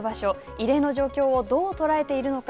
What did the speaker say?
異例の状況をどう捉えているのか。